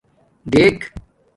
ڈیٔک